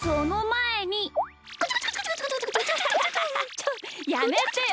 ちょっやめてよ。